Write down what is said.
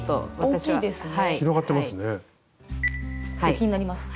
気になります。